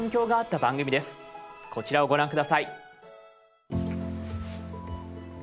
こちらをご覧下さい。